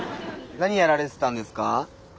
何やられてたんですか？